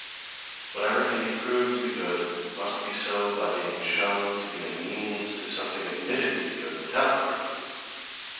Whatever can be proved to be good, must be so by being shown to be a means to something admitted to be good without proof.